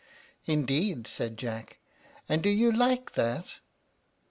"Indeed," said Jack; "and do you like that?"